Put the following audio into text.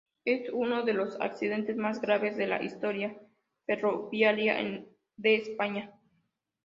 Es uno de los accidentes más graves de la historia ferroviaria de España.